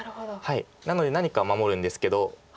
なので何か守るんですけど。